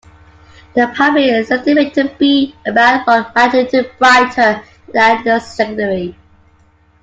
The primary is estimated to be about one magnitude brighter than the secondary.